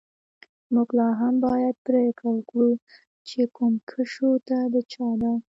موږ لاهم باید پریکړه وکړو چې کوم کشو د چا ده